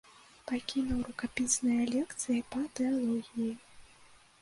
Пакінуў рукапісныя лекцыі па тэалогіі.